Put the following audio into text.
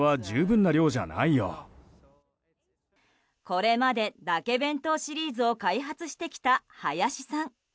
これまでだけ弁当シリーズを開発してきた林さん。